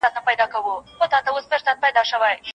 ولي لېواله انسان د وړ کس په پرتله لوړ مقام نیسي؟